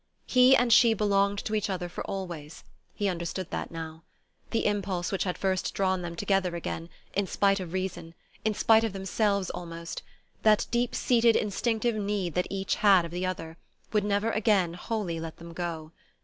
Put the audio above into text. He and she belonged to each other for always: he understood that now. The impulse which had first drawn them together again, in spite of reason, in spite of themselves almost, that deep seated instinctive need that each had of the other, would never again wholly let them go.